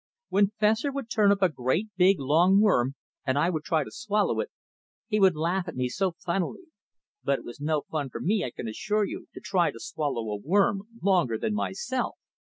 When Fessor would turn up a great, big, long worm and I would try to swallow it, he would laugh at me so funnily. But it was no fun to me, I can assure you, to try to swallow a worm longer than myself.